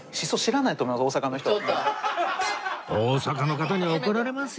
大阪の方に怒られますよ